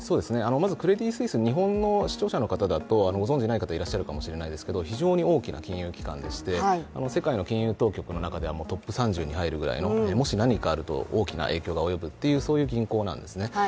まずクレディ・スイス、日本の視聴者の方だとご存じない方いるかもしれないですけど非常に大きな金融機関でして、世界の金融当局の中ではトップ３０に入るぐらいのもし何かあると大きな影響が及ぶそういう銀行なんですね。